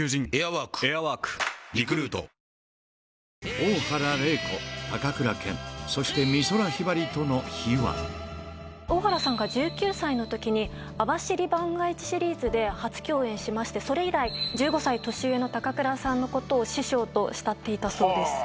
大原麗子、高倉健、大原さんが１９歳のときに、網走番外地シリーズで初共演しまして、それ以来、１５歳年上の高倉さんのことを師匠と慕っていたそうです。